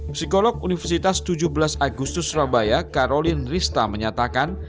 psikolog universitas tujuh belas agustus surabaya karolin rista menyatakan